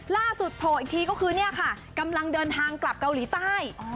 โผล่อีกทีก็คือเนี่ยค่ะกำลังเดินทางกลับเกาหลีใต้